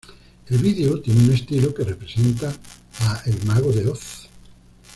El vídeo tiene un estilo que representa a El Mago de Oz.